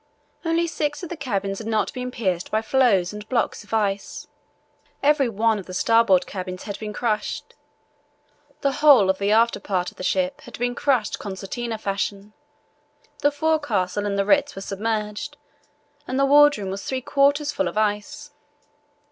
Only six of the cabins had not been pierced by floes and blocks of ice. Every one of the starboard cabins had been crushed. The whole of the after part of the ship had been crushed concertina fashion. The forecastle and the Ritz were submerged, and the wardroom was three quarters full of ice.